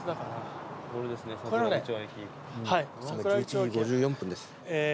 今１１時５４分です。